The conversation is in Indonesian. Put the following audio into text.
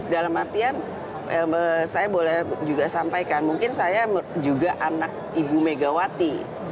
dalam artian saya boleh juga sampaikan mungkin saya juga anak ibu megawati